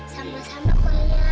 sama sama kol yang